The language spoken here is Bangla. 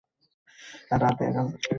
আমরা একা নই।